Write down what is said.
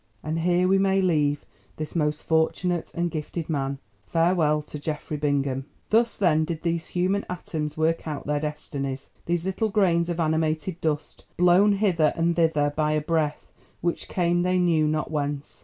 And here we may leave this most fortunate and gifted man. Farewell to Geoffrey Bingham. ENVOI. Thus, then, did these human atoms work out their destinies, these little grains of animated dust, blown hither and thither by a breath which came they knew not whence.